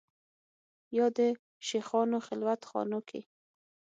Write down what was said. یا د شېخانو خلوت خانو کې